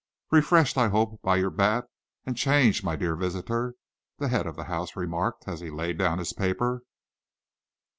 "Refreshed, I hope, by your bath and change, my dear visitor?" the head of the house remarked, as he laid down his paper.